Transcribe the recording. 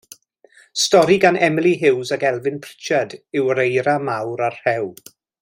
Stori gan Emily Huws ac Elfyn Pritchard yw Yr Eira Mawr a'r Rhew.